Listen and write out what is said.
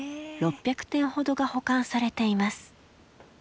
６００点ほどが保管されています。